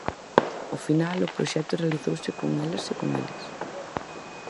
Ao final, o proxecto realizouse con elas e con eles.